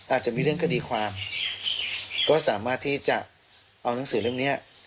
อาจจะมีเรื่องคดีความก็สามารถที่จะเอานังสือเรื่องนี้